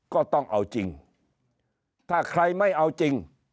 ก็ต้องเอาจริงถ้าใครไม่เอาจริง